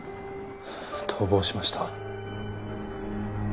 逃亡しました。